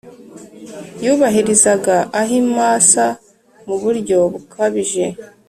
yubahirizaga ahimsa mu buryo bukabije